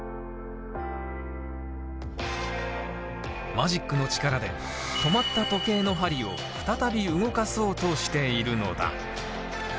マジックの力で止まった時計の針を再び動かそうとしているのだ。